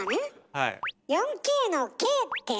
はい。